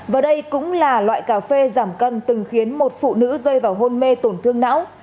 và đây cũng là loại cà phê giảm cân từng khiến một phụ nữ rơi vào hôn mê tổn thương não